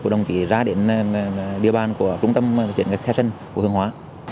đồng chí ra đến địa bàn của trung tâm chuyển khai sân của hương hóa